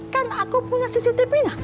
kan aku punya cctv nya